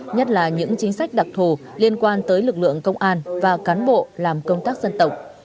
nhất là những chính sách đặc thù liên quan tới lực lượng công an và cán bộ làm công tác dân tộc